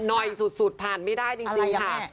หน่อยสุดผ่านไม่ได้จริงค่ะอะไรกับแม่